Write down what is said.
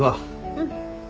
うん。